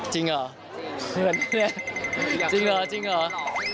จริงเหรอจริงเหรอจริงเหรอ